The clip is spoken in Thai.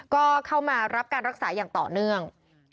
ก็เข้ามารับการรักษาอย่างต่อเนื่อง